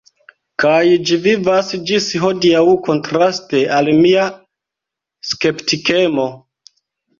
Kaj ĝi vivas ĝis hodiaŭ, kontraste al mia skeptikemo.